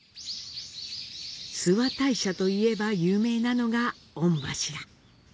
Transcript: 諏訪大社といえば有名なのが「御柱」。